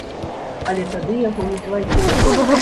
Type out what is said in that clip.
Але тады яго не злавілі.